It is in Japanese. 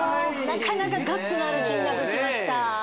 なかなかガッツのある金額きましたねえ